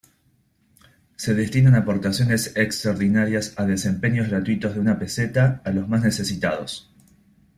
Se destinan aportaciones extraordinarias a desempeños gratuitos de una peseta a los más necesitados.